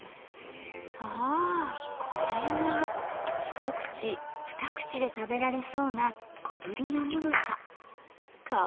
一口二口で食べられそうな小ぶりなもなか。